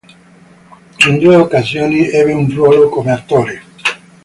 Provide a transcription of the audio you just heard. In due occasioni ebbe un ruolo come attore.